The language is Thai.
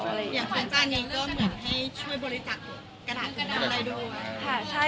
อย่างขวานจานนี้ก็เหมือนให้ช่วยบริจักษ์กระดาษของเราเลย